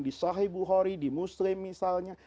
di sahih bukhori di muslim misalnya